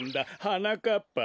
はなかっぱ。